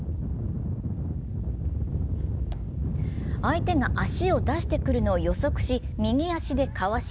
相手が足を出してくるのを予測し、右足でかわし